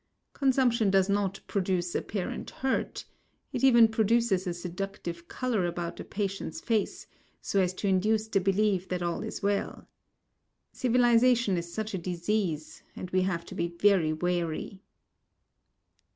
Consumption does not produce apparent hurt it even produces a seductive colour about a patient's face, so as to induce the belief that all is well. Civilization is such a disease, and we have to be very wary.